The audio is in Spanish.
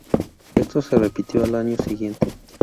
Esto se repitió al año siguiente.